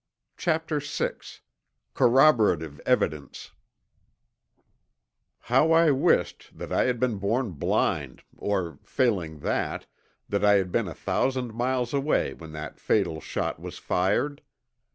CHAPTER VI CORROBORATIVE EVIDENCE How I wished that I had been born blind, or failing that, that I had been a thousand miles away when that fatal shot was fired!